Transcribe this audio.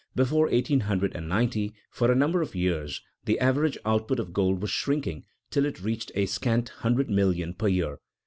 _ Before 1890, for a number of years, the average output of gold was shrinking till it reached a scant hundred million per year.